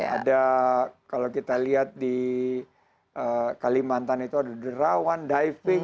ada kalau kita lihat di kalimantan itu ada derawan diving